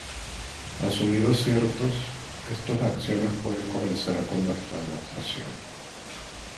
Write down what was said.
Asumidos ciertos estos axiomas podemos comenzar con nuestra demostración.